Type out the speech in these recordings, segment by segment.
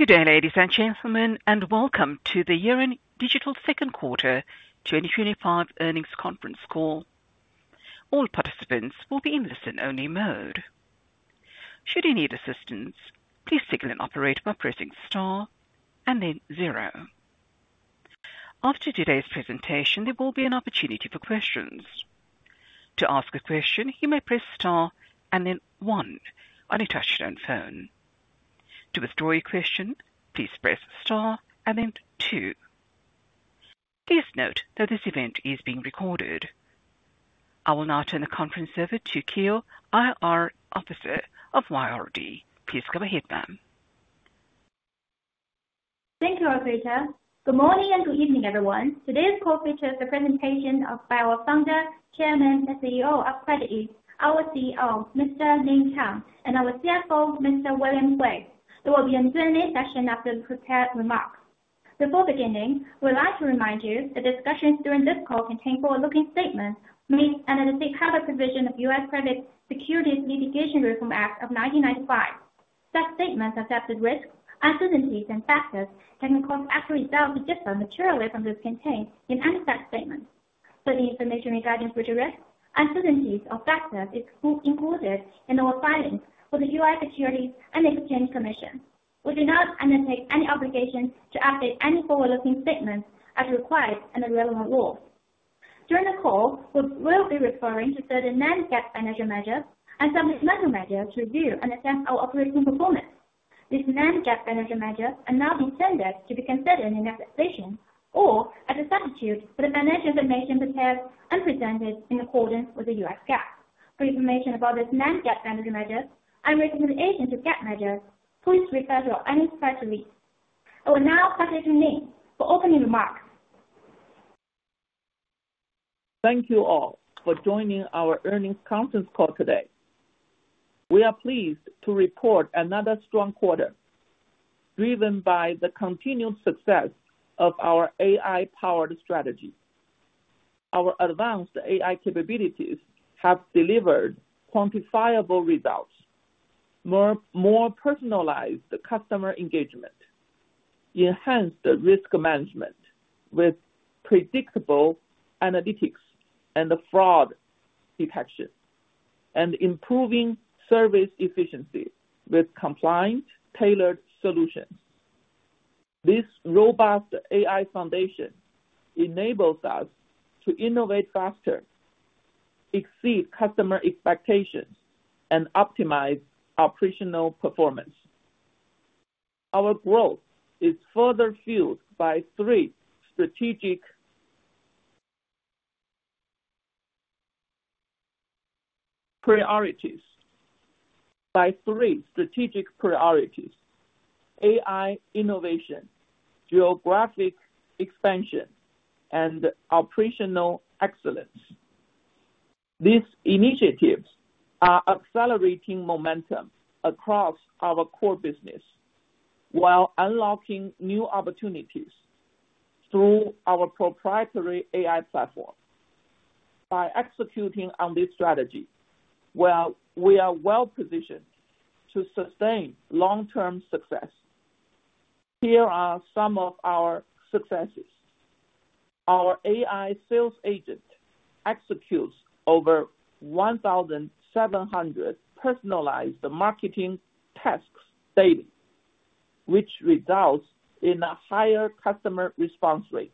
Good day, ladies and gentlemen, and welcome to the Yiren Digital Second Quarter 2025 earnings conference call. All participants will be in listen-only mode. Should you need assistance, please signal an operator by pressing star and then zero. After today's presentation, there will be an opportunity for questions. To ask a question, you may press star and then one on your touch-tone phone. To withdraw your question, please press star and then two. Please note that this event is being recorded. I will now turn the conference over to Keyao He, our Officer of Variety. Please go ahead, ma'am. Thank you, our speaker. Good morning and good evening, everyone. Today's call features the presentation of our Founder, Chairman, and CEO of Yiren Digital, our CEO, Mr. Ning Tang, and our CFO, Mr. William Hui, who will be on the Q&A session after the prepared remarks. Before beginning, we'd like to remind you that discussions during this call contain forward-looking statements, meaning analytics. Have a provision of the U.S. Credit Securities Litigation Reform Act of 1995. Such statements accept the risks, uncertainties, and factors that can come as a result of the different materialism this contains in any such statements. Certain information regarding future risks, uncertainties, or factors is included in our filings for the U.S. Securities and Exchange Commission. We do not admit any obligation to update any forward-looking statements as required under relevant law. During the call, we will be referring to certain managed GAAP financial measures and some medical measures to review and assess our operating performance. These managed GAAP financial measures are not intended to be considered in an accusation or as a substitute for the managed information prepared and presented in accordance with the U.S. GAAP. For information about this managed GAAP financial measure and recommendations to GAAP measures, please refer to our enterprise lead. I will now pass it to Ning for opening remarks. Thank you all for joining our earnings conference call today. We are pleased to report another strong quarter, driven by the continued success of our AI-powered strategy. Our advanced AI capabilities have delivered quantifiable results, more personalized customer engagement, enhanced risk management with predictable analytics and fraud detection, and improving service efficiency with compliant tailored solutions. This robust AI foundation enables us to innovate faster, exceed customer expectations, and optimize operational performance. Our growth is further fueled by three strategic priorities: AI innovation, geographic expansion, and operational excellence. These initiatives are accelerating momentum across our core business while unlocking new opportunities through our proprietary AI platform. By executing on this strategy, we are well positioned to sustain long-term success. Here are some of our successes. Our AI sales agent executes over 1,700 personalized marketing tasks daily, which results in a higher customer response rate.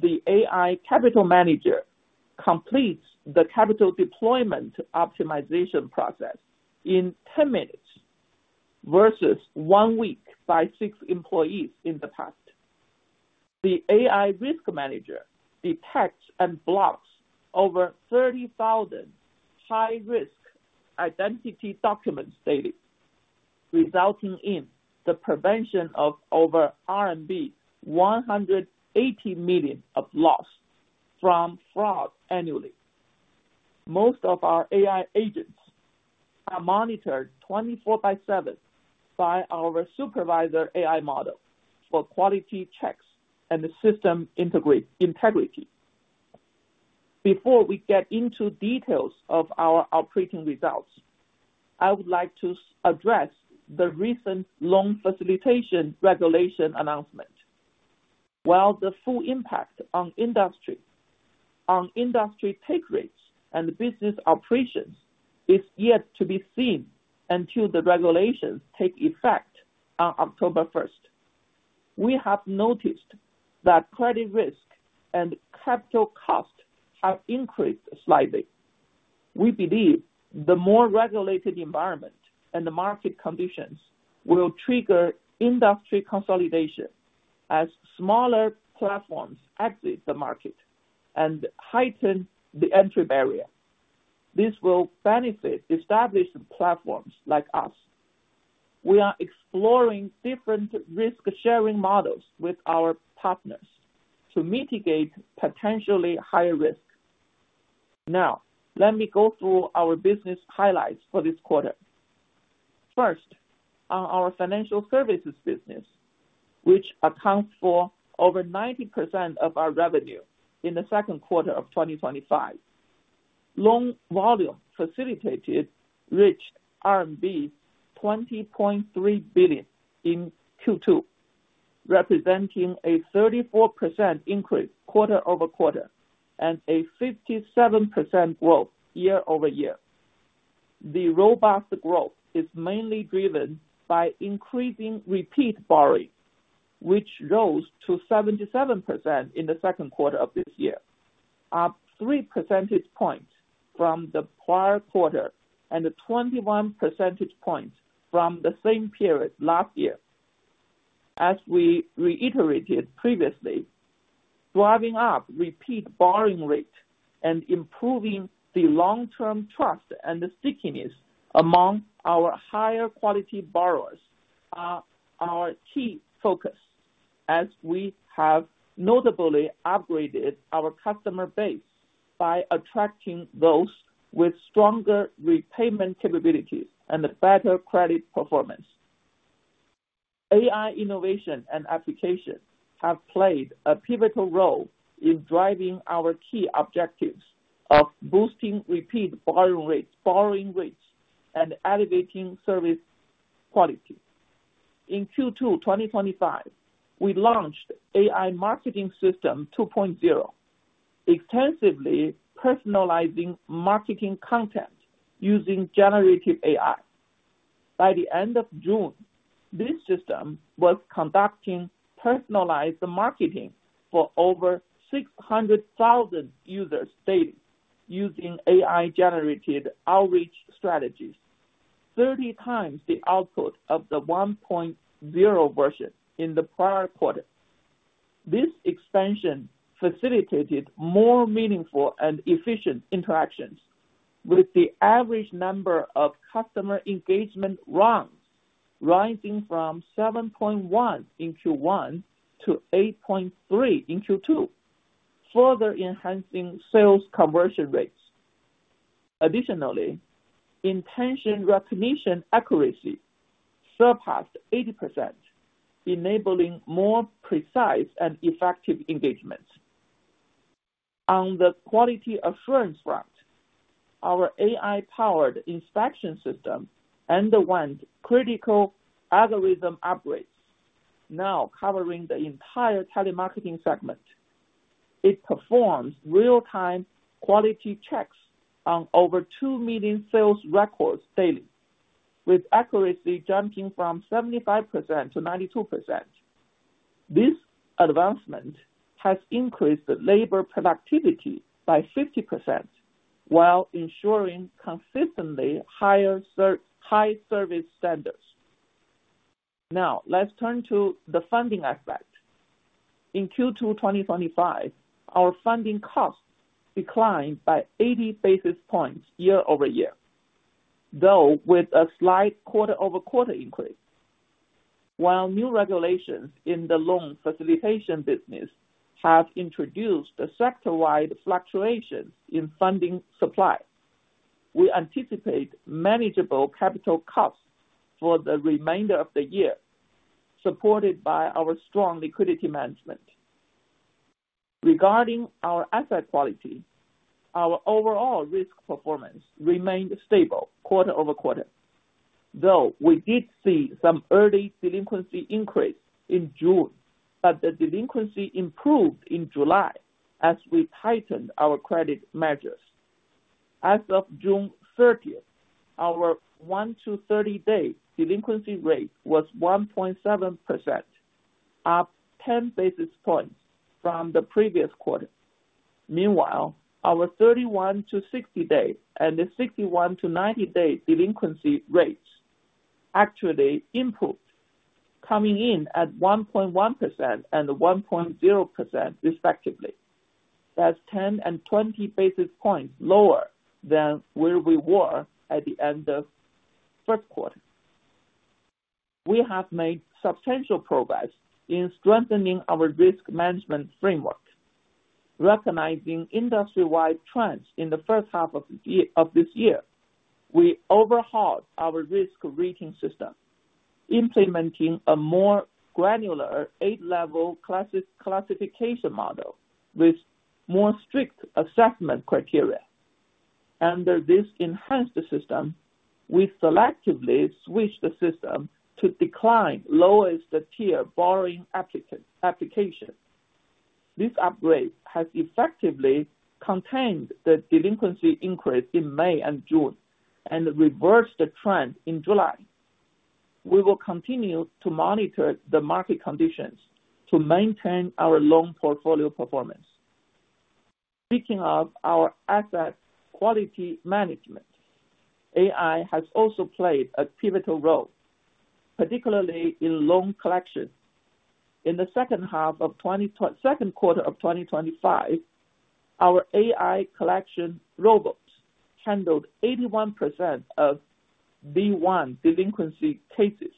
The AI capital manager completes the capital deployment optimization process in 10 minutes versus one week by six employees in the past. The AI risk manager detects and blocks over 30,000 high-risk identity documents daily, resulting in the prevention of over RMB 180 million of loss from fraud annually. Most of our AI agents are monitored 24/7 by our supervisor AI model for quality checks and the system integrity. Before we get into details of our operating results, I would like to address the recent loan facilitation regulation announcement. While the full impact on industry take rates and business operations is yet to be seen until the regulations take effect on October 1, we have noticed that credit risk and capital costs have increased slightly. We believe the more regulated environment and the market conditions will trigger industry consolidation as smaller platforms exit the market and heighten the entry barrier. This will benefit established platforms like us. We are exploring different risk-sharing models with our partners to mitigate potentially higher risk. Now, let me go through our business highlights for this quarter. First, on our financial services business, which accounts for over 90% of our revenue in the second quarter of 2025, loan volume facilitated reached RMB 20.3 billion in Q2, representing a 34% increase quarter over quarter and a 57% growth year over year. The robust growth is mainly driven by increasing repeat borrowing, which rose to 77% in the second quarter of this year, up 3 percentage points from the prior quarter and 21 percentage points from the same period last year. As we reiterated previously, driving up repeat borrowing rate and improving the long-term trust and stickiness among our higher-quality borrowers are our key focus as we have notably upgraded our customer base by attracting those with stronger repayment capabilities and better credit performance. AI innovation and application have played a pivotal role in driving our key objectives of boosting repeat borrowing rates and elevating service quality. In Q2 2025, we launched AI Marketing System 2.0, extensively personalizing marketing content using generative AI. By the end of June, this system was conducting personalized marketing for over 600,000 users daily using AI-generated outreach strategies, 30 times the output of the 1.0 version in the prior quarter. This expansion facilitated more meaningful and efficient interactions, with the average number of customer engagement runs ranging from 7.1 in Q1 to 8.3 in Q2, further enhancing sales conversion rates. Additionally, intention recognition accuracy surpassed 80%, enabling more precise and effective engagements. On the quality assurance front, our AI-powered inspection system underwent critical algorithm upgrades, now covering the entire telemarketing segment. It performs real-time quality checks on over 2 million sales records daily, with accuracy jumping from 75%-92%. This advancement has increased the labor productivity by 50% while ensuring consistently high service standards. Now, let's turn to the funding aspect. In Q2 2025, our funding costs declined by 80 basis points year over year, though with a slight quarter-over-quarter increase. While new regulations in the loan facilitation business have introduced a sector-wide fluctuation in funding supply, we anticipate manageable capital costs for the remainder of the year, supported by our strong liquidity management. Regarding our asset quality, our overall risk performance remained stable quarter over quarter, though we did see some early delinquency increase in June, but the delinquency improved in July as we tightened our credit measures. As of June 30, our 1 to 30-day delinquency rate was 1.7%, up 10 basis points from the previous quarter. Meanwhile, our 31-60-day and the 61-90-day delinquency rates actually improved, coming in at 1.1% and 1.0% respectively. That's 10 and 20 basis points lower than where we were at the end of the first quarter. We have made substantial progress in strengthening our risk management framework. Recognizing industry-wide trends in the first half of this year, we overhauled our risk rating system, implementing a more granular eight-level classification model with more strict assessment criteria. Under this enhanced system, we selectively switched the system to decline lowest tier borrowing application. This upgrade has effectively contained the delinquency increase in May and June and reversed the trend in July. We will continue to monitor the market conditions to maintain our loan portfolio performance. Speaking of our asset quality management, AI has also played a pivotal role, particularly in loan collection. In the second half of the second quarter of 2025, our AI collection robots handled 81% of D1 delinquency cases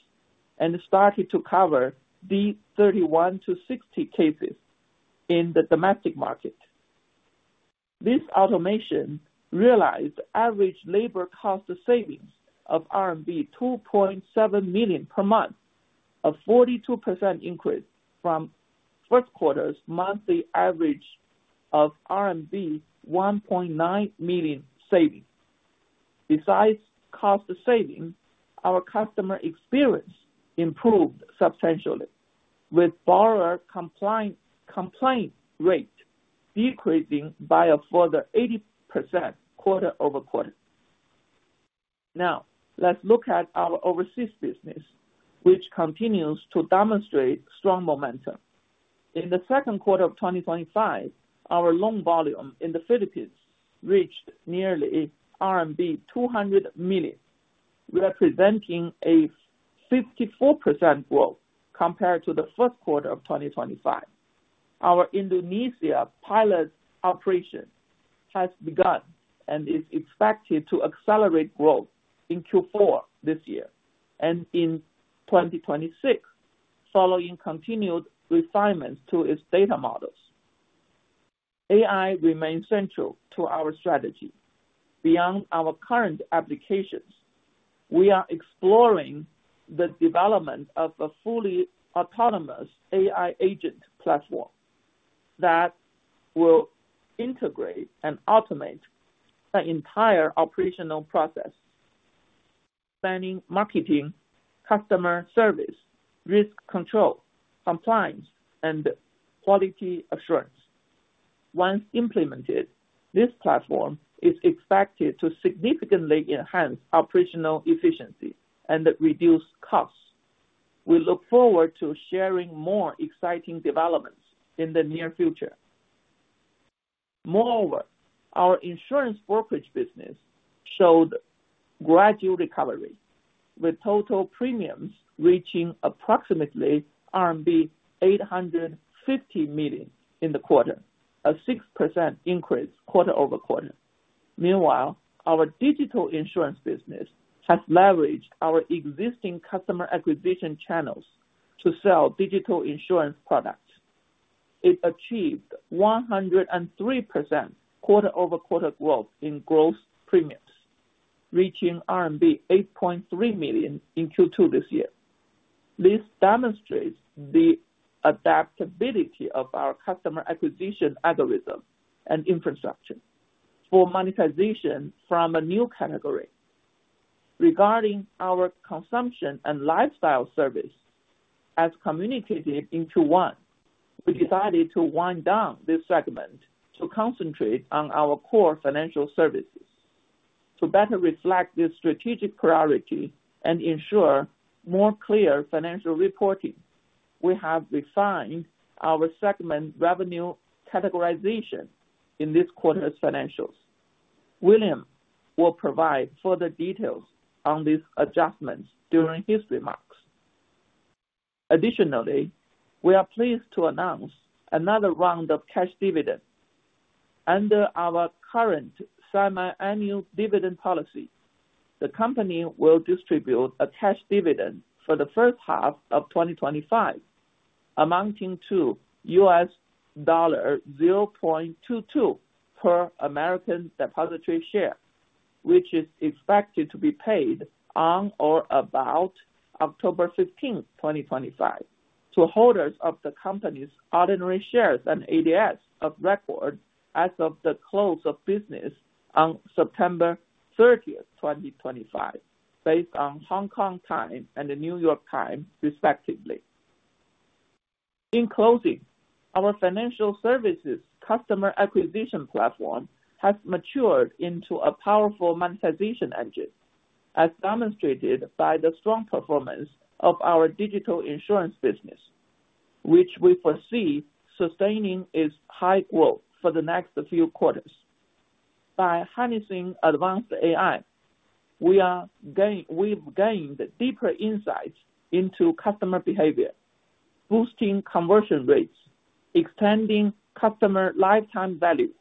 and started to cover D31 to 60 cases in the domestic market. This automation realized average labor cost savings of RMB 2.7 million per month, a 42% increase from first quarter's monthly average of RMB 1.9 million savings. Besides cost saving, our customer experience improved substantially, with borrower complaint rate decreasing by a further 80% quarter-over-quarter. Now, let's look at our overseas business, which continues to demonstrate strong momentum. In the second quarter of 2025, our loan volume in the Philippines reached nearly RMB 200 million. We are presenting a 54% growth compared to the first quarter of 2025. Our Indonesia pilot operation has begun and is expected to accelerate growth in Q4 this year and in 2026, following continued refinements to its data models. AI remains central to our strategy. Beyond our current applications, we are exploring the development of a fully autonomous AI agent platform that will integrate and automate the entire operational process, spanning marketing, customer service, risk control, compliance, and quality assurance. Once implemented, this platform is expected to significantly enhance operational efficiency and reduce costs. We look forward to sharing more exciting developments in the near future. Moreover, our insurance brokerage business showed a gradual recovery, with total premiums reaching approximately RMB 850 million in the quarter, a 6% increase quarter-over-quarter. Meanwhile, our digital insurance business has leveraged our existing customer acquisition channels to sell digital insurance products. It achieved 103% quarter-over-quarter growth in digital insurance gross premiums, reaching RMB 8.3 million in Q2 this year. This demonstrates the adaptability of our customer acquisition algorithm and infrastructure for monetization from a new category. Regarding our consumption and lifestyle service, as communicated in Q1, we decided to wind down this segment to concentrate on our core financial services. To better reflect this strategic priority and ensure more clear financial reporting, we have refined our segment revenue categorization in this quarter's financials. William will provide further details on these adjustments during his remarks. Additionally, we are pleased to announce another round of cash dividends. Under our current semi-annual dividend policy, the company will distribute a cash dividend for the first half of 2025, amounting to $0.22 per American Depositary Share, which is expected to be paid on or about October 15, 2025, to holders of the company's ordinary shares and ADS of record as of the close of business on September 30, 2025, based on Hong Kong Time and New York Time, respectively. In closing, our financial services customer acquisition platform has matured into a powerful monetization engine, as demonstrated by the strong performance of our digital insurance business, which we foresee sustaining its high growth for the next few quarters. By harnessing advanced AI, we've gained deeper insights into customer behavior, boosting conversion rates, extending customer lifetime value,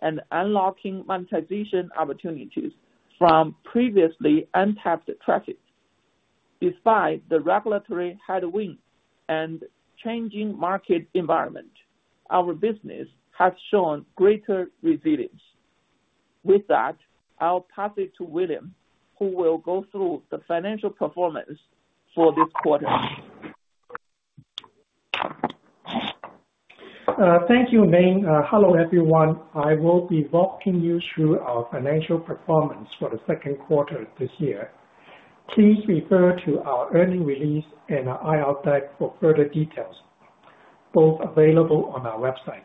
and unlocking monetization opportunities from previously untapped traffic. Despite the regulatory headwind and changing market environment, our business has shown greater resilience. With that, I'll pass it to William, who will go through the financial performance for this quarter. Thank you, Ning. Hello, everyone. I will be walking you through our financial performance for the second quarter this year. Please refer to our earnings release and our IR deck for further details, both available on our website.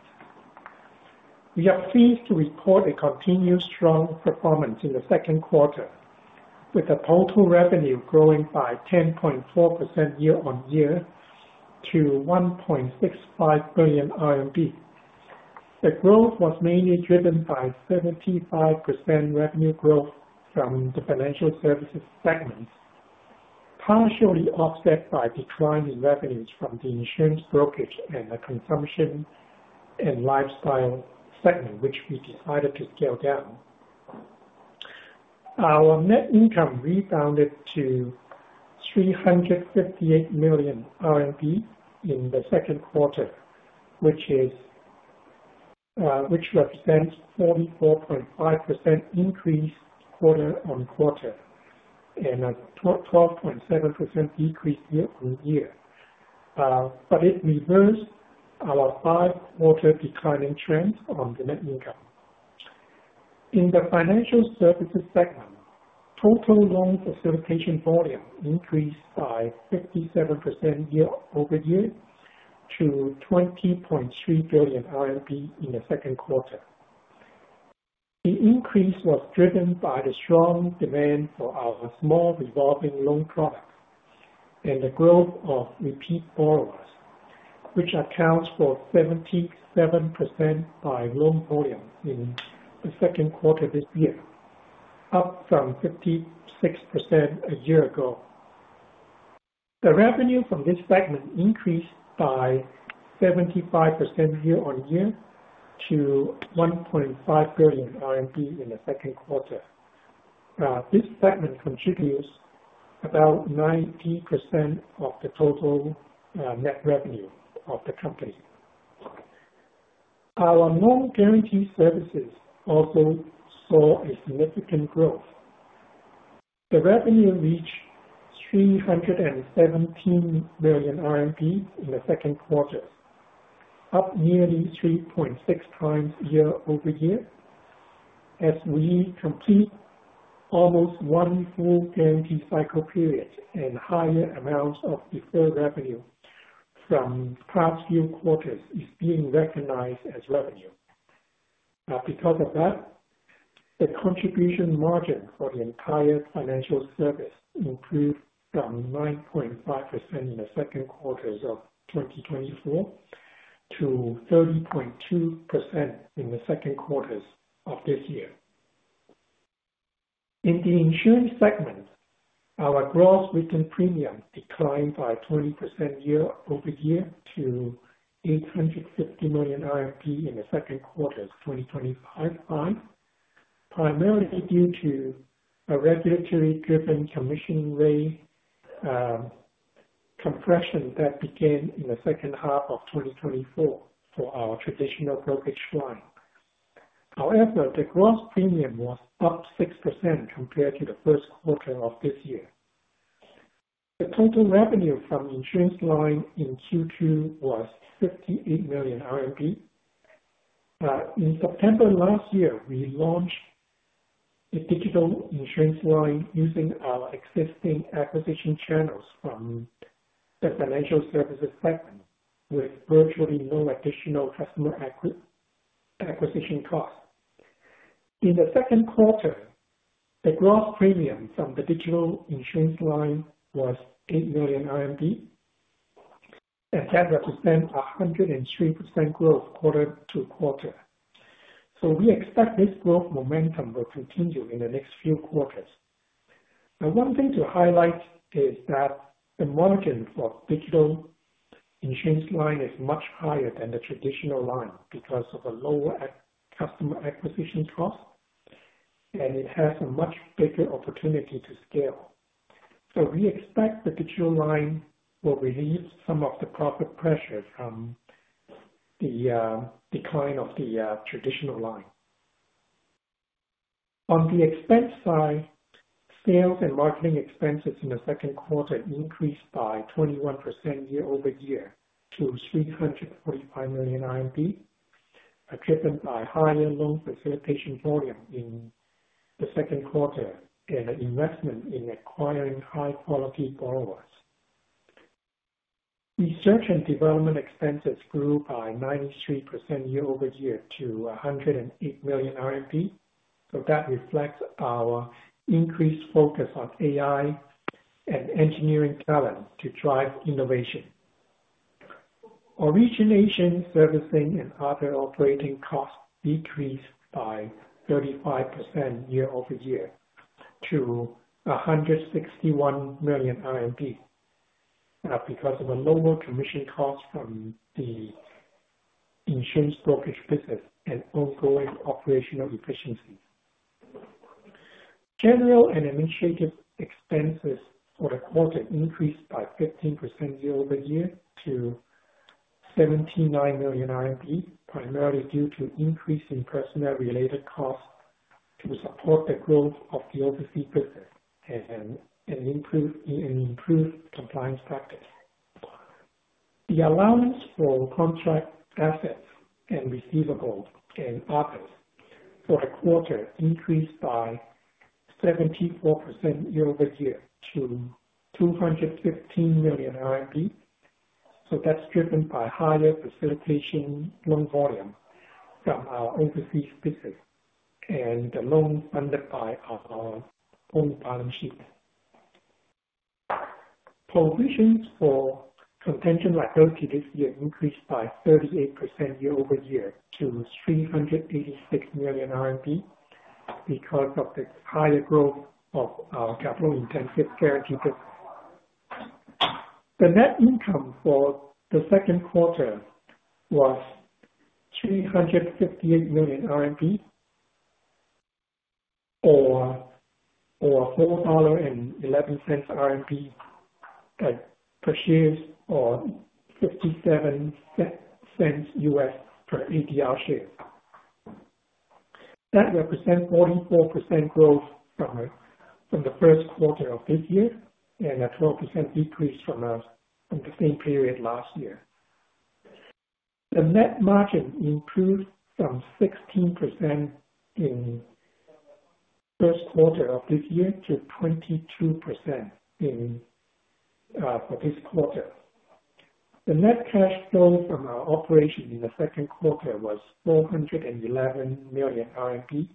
We are pleased to report a continued strong performance in the second quarter, with the total revenue growing by 10.4% year-over-year to ¥1.65 billion. The growth was mainly driven by 75% revenue growth from the financial services segment, partially offset by declining revenues from the insurance brokerage and the consumption and lifestyle segment, which we decided to scale down. Our net income rebounded to 358 million RMB in the second quarter, which represents a 44.5% increase quarter-over-quarter and a 12.7% decrease year-over-year. It reversed our five-quarter declining trend on the net income. In the financial services segment, total loan facilitation volume increased by 57% year-over-year to 20.3 billion RMB in the second quarter. The increase was driven by the strong demand for our small revolving loan product and the growth of repeat borrowing, which accounts for 77% by loan volume in the second quarter this year, up from 56% a year ago. The revenue from this segment increased by 75% year-over-year to 1.5 billion RMB in the second quarter. This segment contributes about 90% of the total net revenue of the company. Our loan guarantee services also saw significant growth. The revenue reached 317 million RMB in the second quarter, up nearly 3.6 times year-over-year, as we complete almost one full guarantee cycle period and higher amounts of deferred revenue from past few quarters is being recognized as revenue. Because of that, the contribution margin for the entire financial services improved from 9.5% in the second quarter of 2024 to 30.2% in the second quarter of this year. In the insurance segment, our gross written premium declined by 20% year-over-year to ¥850 million in the second quarter of 2025, primarily due to a regulatory-driven commission rate compression that began in the second half of 2024 for our traditional brokerage fund. However, the gross premium was up 6% compared to the first quarter of this year. The total revenue from the insurance line in Q2 was 58 million RMB. In September last year, we launched the digital insurance line using our existing acquisition channels from the financial services segment, with virtually no additional customer acquisition costs. In the second quarter, the gross premium from the digital insurance line was 8 million RMB and that represents a 103% growth quarter-over-quarter. We expect this growth momentum will continue in the next few quarters. One thing to highlight is that the margin for the digital insurance line is much higher than the traditional line because of a lower customer acquisition cost, and it has a much bigger opportunity to scale. We expect the digital line will relieve some of the profit pressure from the decline of the traditional line. On the expense side, sales and marketing expenses in the second quarter increased by 21% year-over-year to 345 million RMB, driven by higher loan facilitation volume in the second quarter and the investment in acquiring high-quality borrowers. Research and development expenses grew by 93% year-over-year to ¥108 million. That reflects our increased focus on AI and engineering talent to drive innovation. Origination, servicing, and other operating costs decreased by 35% year-over-year to 161 million RMB because of a lower commission cost from the insurance brokerage business and ongoing operational efficiency. General and administrative expenses for the quarter increased by 15% year-over-year to RMRMB79 million, primarily due to increasing personnel-related costs to support the growth of the overseas business and improved compliance practice. The allowance for contract assets and receivables and others for the quarter increased by 74% year-over-year to RMB215 million. That is driven by higher loan facilitation volume from our overseas business and the loans funded by our own balance sheet. Provisions for contingent liability this year increased by 38% year-over-year to 386 million RMB because of the higher growth of our capital-intensive therapy business. The net income for the second quarter was 358 million RMB, or RMB4.11 per share or $0.57 per American Depositary Share. That represents 44% growth from the first quarter of this year and a 12% decrease from the same period last year. The net margin improved from 16% in the first quarter of this year to 22% for this quarter. The net cash flow from our operation in the second quarter was 411 million RMB,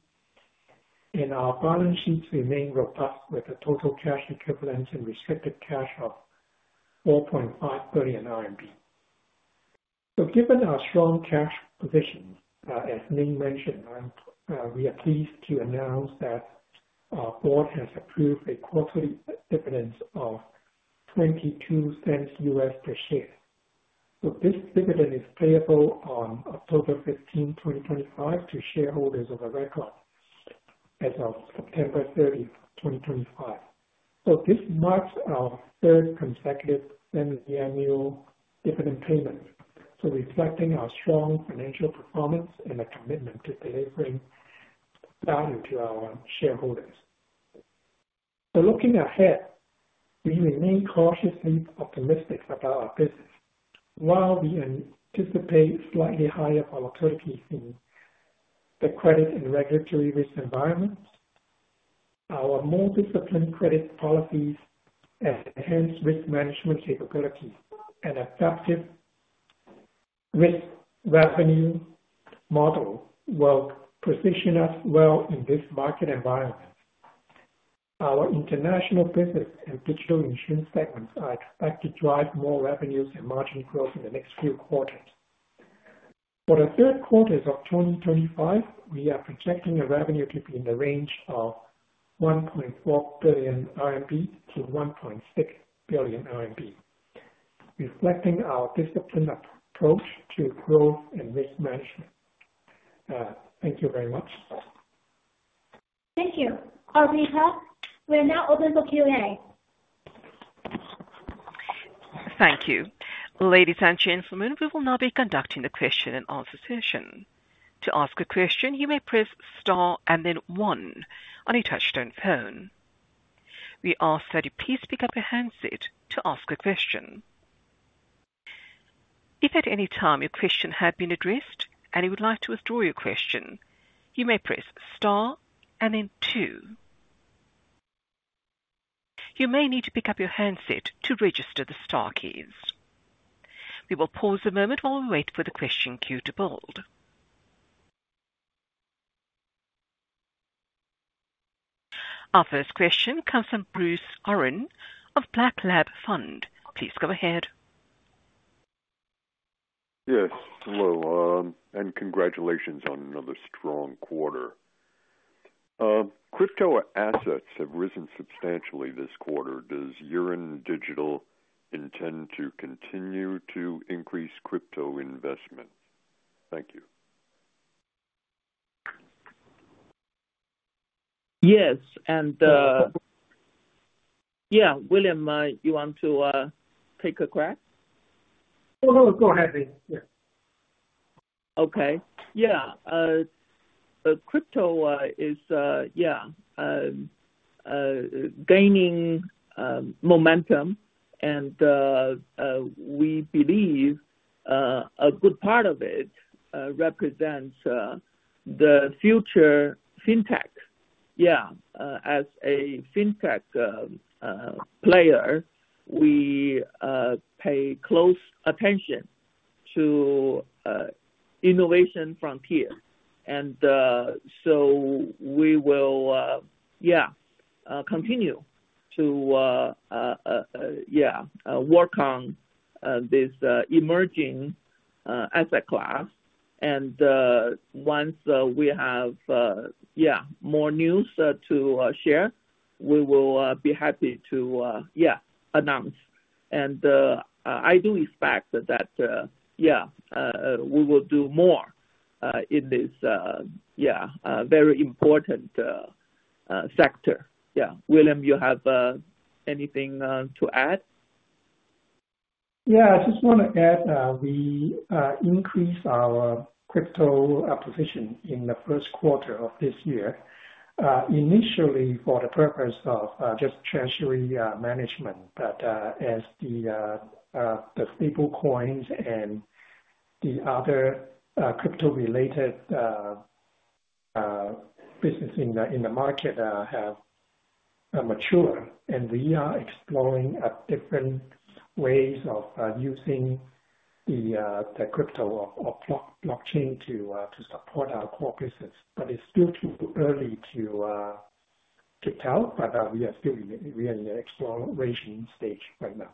and our balance sheets remain robust with the total cash equivalents and restricted cash of 4.5 billion RMB. Given our strong cash position, as Ning mentioned, we are pleased to announce that our board has approved a quarterly cash dividend of $0.22 per share. This dividend is payable on October 15, 2025, to shareholders of record as of September 30, 2025. This marks our third consecutive semiannual dividend payment, reflecting our strong financial performance and the commitment to delivering value to our shareholders. Looking ahead, we remain cautiously optimistic about our business. While we anticipate slightly higher volatility in the credit and regulatory risk environment, our more disciplined credit policies have enhanced risk management capabilities and adaptive risk revenue models will position us well in this market environment. Our international business and digital insurance segments are expected to drive more revenues and margin growth in the next few quarters. For the third quarter of 2025, we are projecting revenue to be in the range of 1.4 billion-1.6 billion RMB, reflecting our disciplined approach to growth and risk management. Thank you very much. Thank you, our speaker. We are now open for Q&A. Thank you. Ladies and gentlemen, we will now be conducting the question and answer session. To ask a question, you may press star and then one on your touch-tone phone. We ask that you please speak up your handset to ask a question. If at any time your question had been addressed and you would like to withdraw your question, you may press star and then two. You may need to pick up your handset to register the star keys. We will pause a moment while we wait for the question queue to build. Our first question comes from Bruce Ourin of Black Lab Fund. Please go ahead. Yes, hello, and congratulations on another strong quarter. Crypto assets have risen substantially this quarter. Does Yiren Digital intend to continue to increase crypto investments? Thank you. Yes, William, you want to take a crack? Go ahead, yeah. Okay. Crypto is gaining momentum, and we believe a good part of it represents the future fintech. As a fintech player, we pay close attention to innovation frontiers. We will continue to work on this emerging asset class. Once we have more news to share, we will be happy to announce. I do expect that we will do more in this very important sector. William, you have anything to add? Yeah, I just want to add we increased our crypto acquisition in the first quarter of this year, initially for the purpose of just treasury management. As the stablecoins and the other crypto-related businesses in the market have matured, we are exploring different ways of using the crypto or blockchain to support our core business. It's still too early to tell, we are still in an exploration stage right now.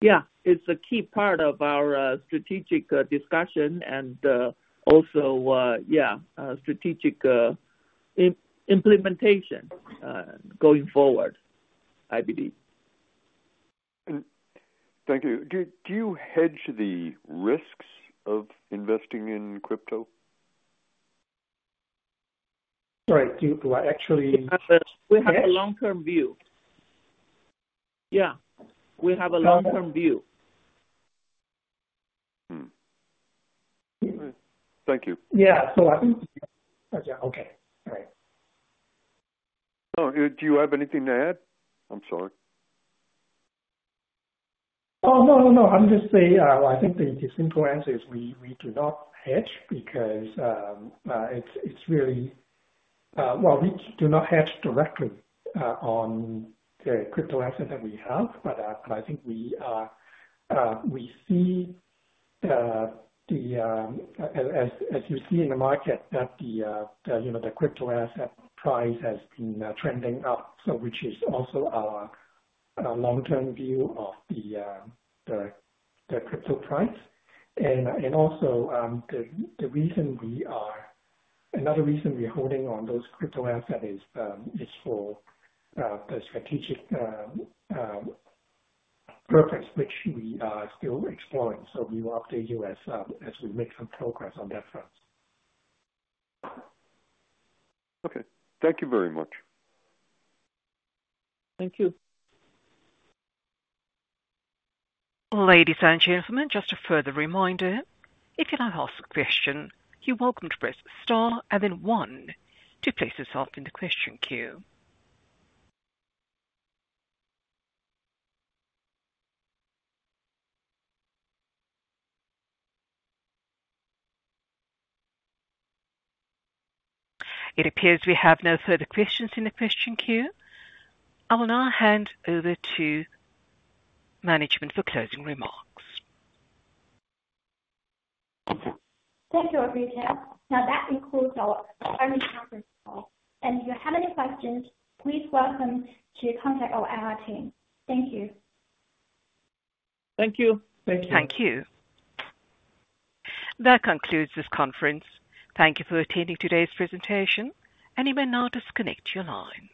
Yeah, it's a key part of our strategic discussion and also, yeah, strategic implementation going forward, I believe. Thank you. Do you hedge the risks of investing in crypto assets? Sorry, do you actually? We have a long-term view. We have a long-term view. Thank you. I think, okay. All right. Do you have anything to add? I'm sorry. I'm just saying, I think the simple answer is we do not hedge because it's really, we do not hedge directly on the crypto assets that we have. I think you see in the market that the crypto asset price has been trending up, which is also our long-term view of the crypto price. Also, the reason we are holding on those crypto assets is for the strategic purpose, which we are still exploring. We will update you as we make some progress on that front. Okay, thank you very much. Thank you. Ladies and gentlemen, just a further reminder, if you'd like to ask a question, you're welcome to press star and then one to place yourself in the question queue. It appears we have no further questions in the question queue. I will now hand over to management for closing remarks. Thank you, our speaker. That concludes our early conference call. If you have any questions, please feel free to contact our team. Thank you. Thank you. Thank you. That concludes this conference. Thank you for attending today's presentation, and you may now disconnect your lines.